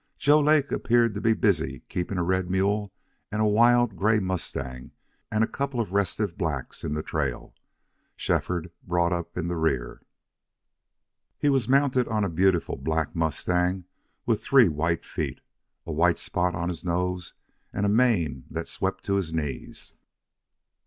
Joe Lake appeared to be busy keeping a red mule and a wild gray mustang and a couple of restive blacks in the trail. Shefford brought up in the rear. His mount was a beautiful black mustang with three white feet, a white spot on his nose, and a mane that swept to his knees.